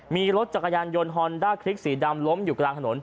มีรถจักรยานยนต์ฮอนด้าคลิกสีดำล้มอยู่กลางถนน